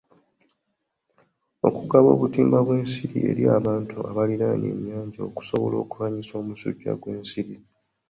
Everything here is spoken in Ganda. Okugaba obutimba bw'ensiri eri abantu abaliraanye ennyanja okusobola okulwanisa omusujja gw'ensiri.